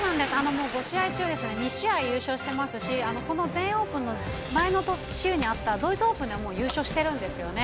もう５試合中２試合優勝していますし、この全英オープンの前の週にあったドイツオープンではもう優勝してるんですよね。